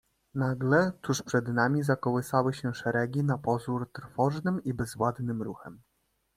"Nagle, tuż przed nami, zakołysały się szeregi na pozór trwożnym i bezładnym ruchem."